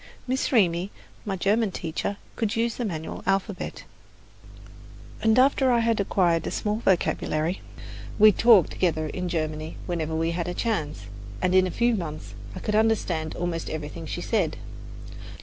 Miss Reamy, my German teacher, could use the manual alphabet, and after I had acquired a small vocabulary, we talked together in German whenever we had a chance, and in a few months I could understand almost everything she said.